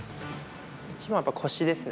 一番はやっぱ腰ですね。